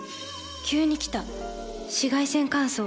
急に来た紫外線乾燥。